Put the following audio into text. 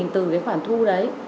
từ cái khoản thu đấy